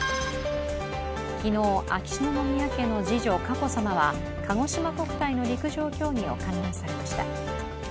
昨日、秋篠宮家の次女・佳子さまはかごしま国体の陸上競技を観覧されました。